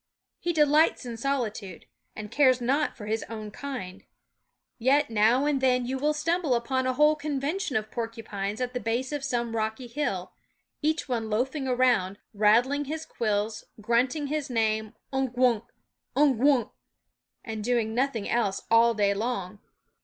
He delights in soli tude, and cares not for his own kind ; yet now and then you will stumble upon a whole convention of porcupines at the base of some rocky hill, each one loafing around, rattling his quills, grunting his name Unk Wunk ! Unk Wunk ! and doing nothing else all day long.